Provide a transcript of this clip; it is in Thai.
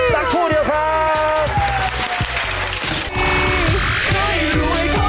ตั๊กชู้เดียวครับ